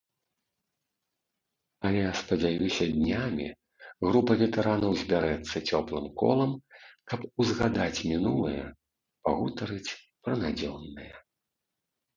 Але, спадзяюся, днямі група ветэранаў збярэцца цёплым колам, каб узгадаць мінулае, пагутарыць пра надзённае.